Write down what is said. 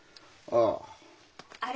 ああ。